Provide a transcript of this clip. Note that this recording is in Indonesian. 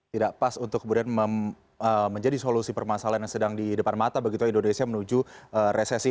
tidak pas untuk kemudian menjadi solusi permasalahan yang sedang di depan mata begitu indonesia menuju resesi